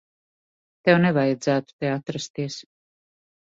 Tev nevajadzētu te atrasties.